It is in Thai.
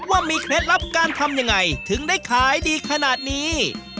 ว่ามีเคล็ดลับการทำยังไงถึงได้ขายดีขนาดนี้